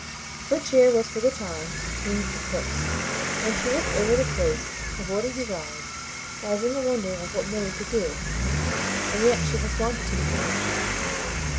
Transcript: Her cheer was for the time in eclipse, and she looked over the place, avoiding his eyes, as in the wonder of what Milly could do. "And yet she has wanted to be kind."